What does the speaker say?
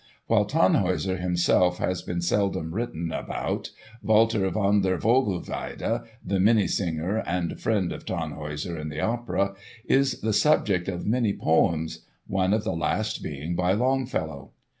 While Tannhäuser himself has been seldom written about, Walter von der Vogelweide—the minnesinger, and friend of Tannhäuser in the opera,—is the subject of many poems, one of the last being by Longfellow.